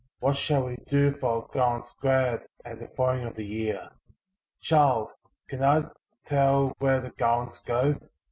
What shall we do for our garlands glad At the falling of the year?" "Child! can I tell where the garlands go?